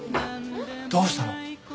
どうしたの？